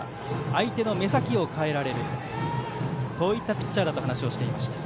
相手の目先を変えられるそういったピッチャーだと話していました。